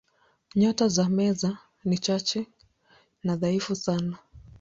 Nyota za Meza ni chache na dhaifu sana.